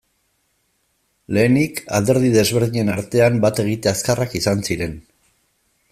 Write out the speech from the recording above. Lehenik, alderdi desberdinen artean bat egite azkarrak izan ziren.